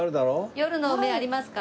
夜の梅ありますか？